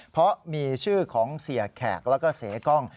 เพราะมีชื่อของเสียแขกแล้วก็เสียกล้อง